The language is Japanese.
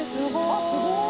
あっすごい！